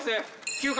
９回。